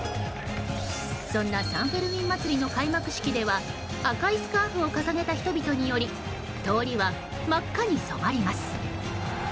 そんなサン・フェルミン祭りの開幕式では赤いスカーフを掲げた人々により通りは真っ赤に染まります。